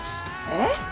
えっ？